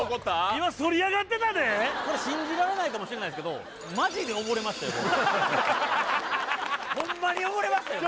今反り上がってたでこれ信じられないかもしれないですけどホンマに溺れましたよ